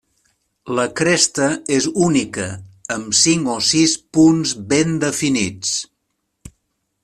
La cresta és única, amb cinc o sis punts ben definits.